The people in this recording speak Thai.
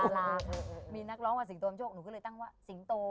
น่ารักมีนักร้องว่าสิงโตนำโชคหนูก็เลยตั้งว่าสิงโต